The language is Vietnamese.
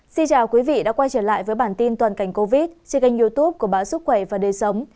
xin chào quý vị đã quay trở lại với bản tin toàn cảnh covid trên kênh youtube của báo sức khỏe và đời sống